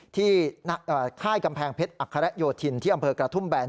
ค่ายกำแพงเพชรอัคระโยธินที่อำเภอกระทุ่มแบน